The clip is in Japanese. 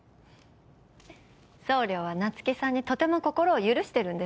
総領は那月さんにとても心を許してるんですね。